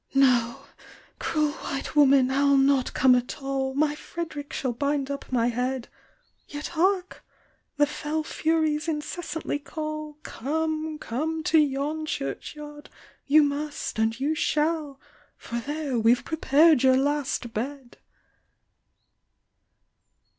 "No! cruel white woman, I'll not come at all, My Fred'rick shall bind up my head ; Yet hark ! the fell furies incessantly call, Come, come to yon church yard, you must, and you shall, For there we've prepar'd your last bed!"